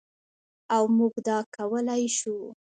او موږ دا کولی شو.